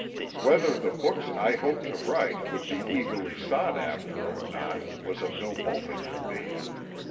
Whether the books I hoped to write would be eagerly sought after or not was of no moment to me.